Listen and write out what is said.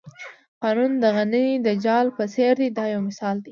قانون د غڼې د جال په څېر دی دا یو مثال دی.